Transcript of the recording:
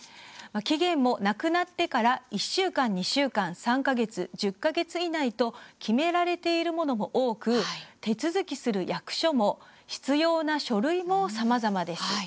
期限も亡くなってから１週間２週間、３か月、１０か月以内と決められているものも多く手続きする役所も必要な書類も、さまざまです。